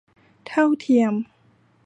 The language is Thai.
เท่าเทียม